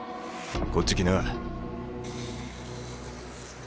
こっち来な。